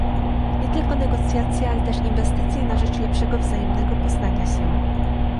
nie tylko negocjacje, ale też inwestycje na rzecz lepszego wzajemnego poznania się